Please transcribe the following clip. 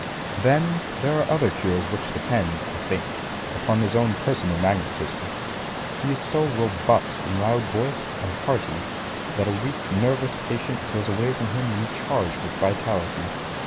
Then there are other cures which depend, I think, upon his own personal magnetism. He is so robust and loud voiced and hearty that a weak nervous patient goes away from him recharged with vitality.